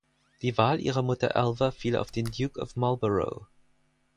Die Wahl ihrer Mutter Alva fiel auf den Duke of Marlborough.